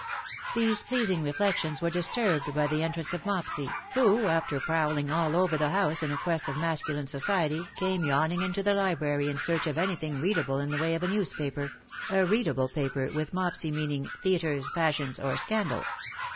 ^^ These pleasing reflections were disturbed by the entrance of Mopsy, who, after prowling all over the house in quest of masculine society, came yawning into the library in search of anything read able in the way of a newspaper — a readable paper with Mopsy meaning theatres, fashions, or scandal.